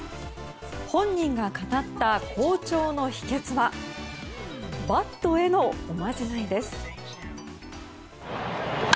本人が語った好調の秘訣はバットへのおまじないです。